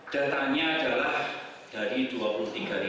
datanya adalah dari dua